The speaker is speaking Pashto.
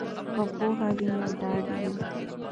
که پوهه وي نو ډاډ وي.